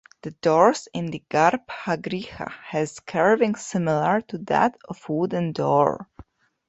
The doors in the garbhagriha has carving similar to that of wooden door.